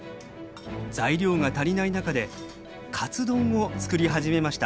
材料が足りない中でカツ丼を作り始めました。